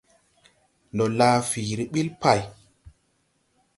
Ndo laa fiiri ɓil pay.